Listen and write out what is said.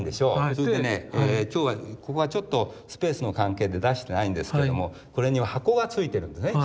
それでね今日はここはちょっとスペースの関係で出してないんですけどもこれには箱が付いてるんですね。